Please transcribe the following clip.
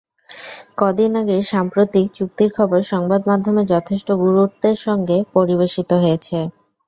কদিন আগে সাম্প্রতিক চুক্তির খবর সংবাদমাধ্যমে যথেষ্ট গুরুত্বের সঙ্গে পরিবেশিত হয়েছে।